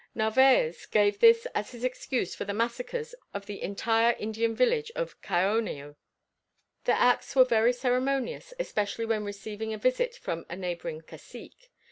Narvaez gave this as his excuse for the massacres of the entire Indian village of Caonao. Their acts were very ceremonious especially when receiving a visit from a neighbouring cacique.